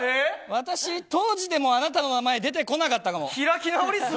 私、当時でもあなたの名前出てこなかったかも。